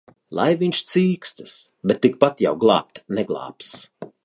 Lai viņš cīkstas! Bet tikpat jau glābt neglābs.